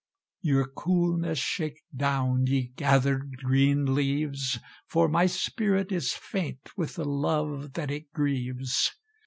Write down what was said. Your coolness shake down, ye gathered green leaves, For my spirit is faint with the love that it grieves!